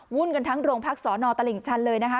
ุ่นกันทั้งโรงพักสอนอตลิ่งชันเลยนะคะ